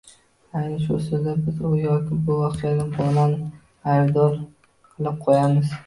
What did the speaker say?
Aynan shu usulda biz u yoki bu voqeada bolani aybdor qilib qo‘yamiz.